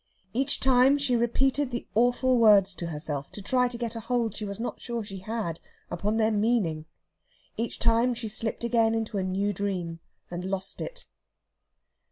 Each time she repeated the awful words to herself, to try to get a hold she was not sure she had upon their meaning. Each time she slipped again into a new dream and lost it.